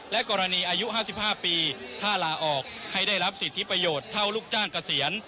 กรณีอายุ๕๕ปีถ้าลาออกให้ได้รับสิทธิประโยชน์เท่าลูกจ้างเกษียณ